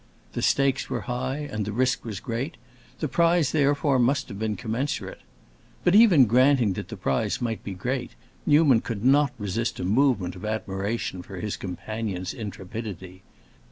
The stakes were high and the risk was great; the prize therefore must have been commensurate. But even granting that the prize might be great, Newman could not resist a movement of admiration for his companion's intrepidity.